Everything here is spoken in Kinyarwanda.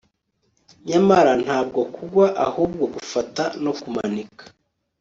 Nyamara ntabwo kugwa ahubwo gufata no kumanika